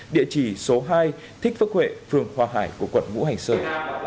địa chỉ số hai thích phước huệ phường hòa hải của quận ngũ hành sơn